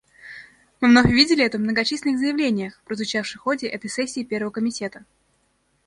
Мы вновь увидели это в многочисленных заявлениях, прозвучавших в ходе этой сессии Первого комитета.